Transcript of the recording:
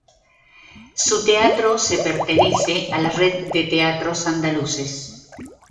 Su teatro se pertenece a la Red de Teatros Andaluces.